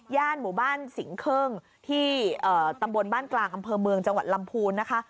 หมู่บ้านสิงครึ่งที่ตำบลบ้านกลางอำเภอเมืองจังหวัดลำพูนนะคะ